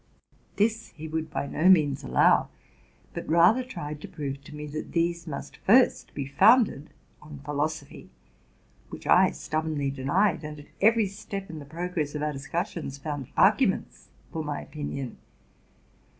This he would by no means allow, but rather tried to prove to me that these must first be founded on phi losophy ; which I stubbornly denied, and, at every step in the progress of our discussions, found arguments for my opinion.